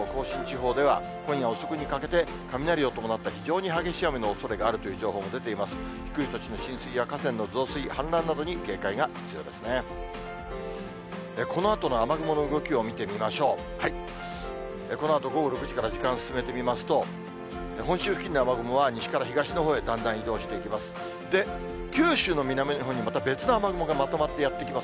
このあと午後６時から時間進めてみますと、本州付近の雨雲は、西から東のほうへだんだん移動していきます。